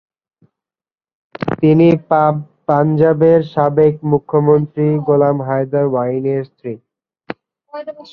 তিনি পাঞ্জাবের সাবেক মূখ্যমন্ত্রী গোলাম হায়দার ওয়াইন এর স্ত্রী।